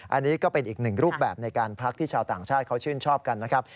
อันนี้ก็เป็นอีกหนึ่งรูปแบบในการพักที่ชาวต่างชาติเขาชื่นชอบกันนะครับ